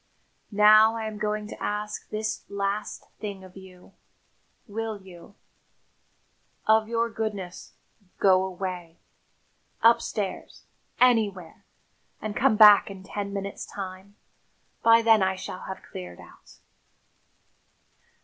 Now I am going to ask this last thing of you: will you, of your goodness, go away upstairs, anywhere and come back in ten minutes' time? By then I shall have cleared out."